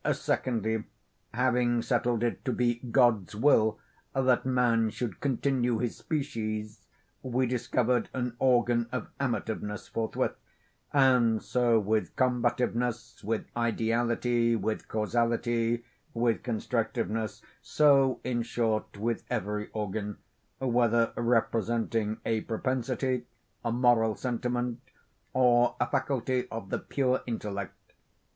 Secondly, having settled it to be God's will that man should continue his species, we discovered an organ of amativeness, forthwith. And so with combativeness, with ideality, with causality, with constructiveness,—so, in short, with every organ, whether representing a propensity, a moral sentiment, or a faculty of the pure intellect.